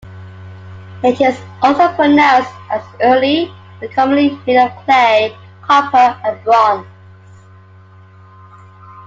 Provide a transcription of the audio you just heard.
It is also pronounced as Urli and commonly made of clay, copper and bronze.